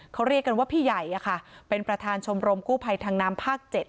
เขาเรียกกันว่าพี่ใหญ่เป็นประธานชมรมกู้ภัยทางน้ำภาค๗